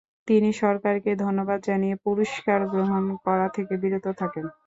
তিনি সরকারকে ধন্যবাদ জানিয়ে পুরস্কার গ্রহণ করা থেকে বিরত থাকেন।